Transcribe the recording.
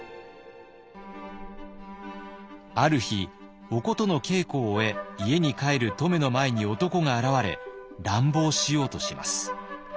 ある日お琴の稽古を終え家に帰る乙女の前に男が現れ乱暴しようとします。